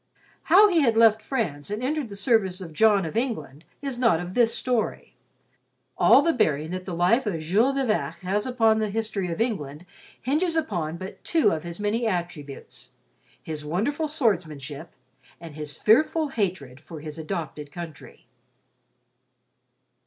How he had left France and entered the service of John of England is not of this story. All the bearing that the life of Jules de Vac has upon the history of England hinges upon but two of his many attributes—his wonderful swordsmanship and his fearful hatred for his adopted country.